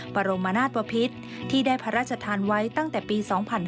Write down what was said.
บรมนาศปภิษที่ได้พระราชทานไว้ตั้งแต่ปี๒๕๕๙